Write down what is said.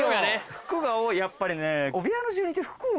服が多いやっぱりね。